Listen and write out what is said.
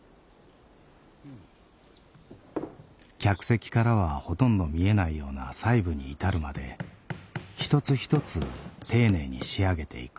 客席からはほとんど見えないような細部に至るまで一つ一つ丁寧に仕上げていく。